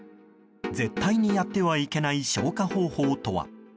絶対にやってはいけない消火方法とは。